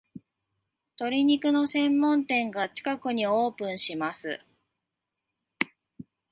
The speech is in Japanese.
鶏肉の専門店が近くにオープンします